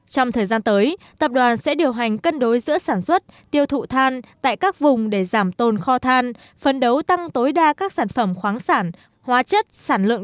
trong thời gian tới tập đoàn sẽ điều hành cân đối giữa sản xuất tiêu thụ than tại các vùng để giảm tồn kho than phấn đấu tăng tối đa các sản phẩm khoáng sản hóa chất sản lượng